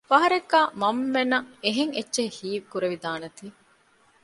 ފަހަރެއްގައި މަންމަމެންނަށް އެހެން އެއްޗެއް ހީ ކުރެވިދާނެތީ